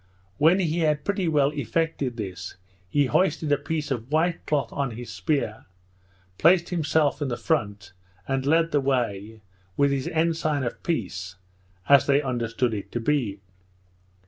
When he had pretty well effected this, he hoisted a piece of white cloth on his spear, placed himself in the front, and led the way, with his ensign of peace, as they understood it to be.